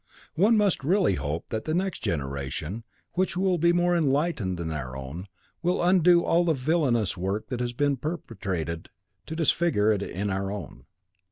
One must really hope that the next generation, which will be more enlightened than our own, will undo all the villainous work that has been perpetrated to disfigure it in our own.